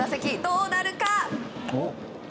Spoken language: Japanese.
どうなるか。